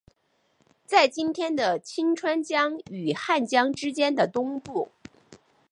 在今天的清川江与汉江之间的东部。